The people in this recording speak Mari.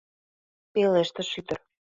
— пелештыш ӱдыр.